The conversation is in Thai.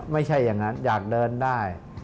ไม่ใช่อย่างนั้นอยากเดินได้